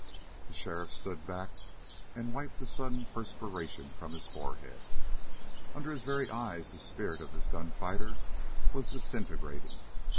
The sheriff stood back and wiped a sudden perspiration from his forehead. Under his very eyes the spirit of this gunfighter was disintegrating.